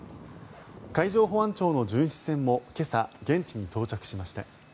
海上保安庁の巡視船も今朝、現地に到着しました。